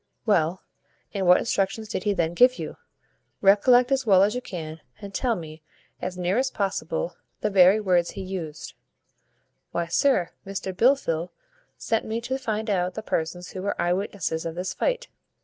"Well, and what instructions did he then give you? Recollect as well as you can, and tell me, as near as possible, the very words he used." "Why, sir, Mr Blifil sent me to find out the persons who were eye witnesses of this fight.